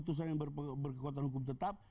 tidak ada tersangkut yang berkekuatan hukum tetap